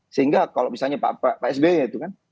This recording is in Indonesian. sehingga kalau misalnya pak sby itu kan